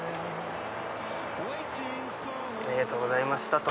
ありがとうございました！と。